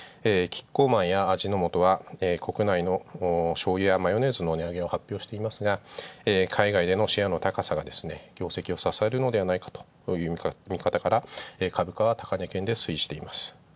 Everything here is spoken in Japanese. キッコーマンや味の素は、国内のしょうゆやマヨネーズの値上げを発表していますが、海外でのシェアの高さが業績を支えるのではないかという見方から、株価は高値圏で推移しています。